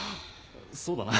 そうだな。